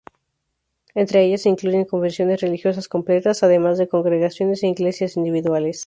Entre ellas se incluyen confesiones religiosas completas, además de congregaciones e iglesias individuales.